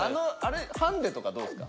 ハンデとかどうですか？